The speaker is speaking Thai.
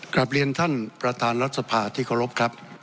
กลับเรียนท่านประธานรัฐสภาที่เคารพครับ